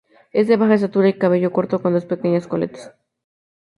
Es de baja estatura y cabello corto con dos pequeñas coletas.